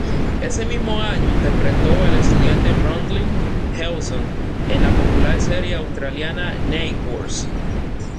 Ese mismo año interpretó al estudiante Bradley Hewson en la popular serie australiana Neighbours.